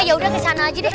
ya udah ke sana aja deh